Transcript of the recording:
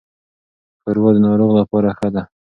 ښوروا د ناروغ لپاره ښه ده.